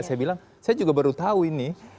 saya bilang saya juga baru tahu ini